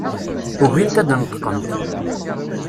Ugint ad d-neṭqent.